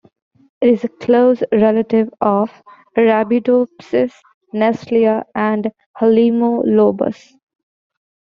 It is a close relative of "Arabidopsis", "Neslia", and "Halimolobos".